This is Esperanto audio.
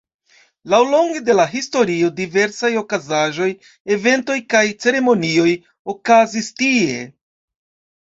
Laŭlonge de la historio diversaj okazaĵoj, eventoj kaj ceremonioj okazis tie.